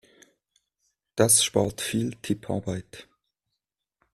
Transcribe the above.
Das spart viel Tipparbeit.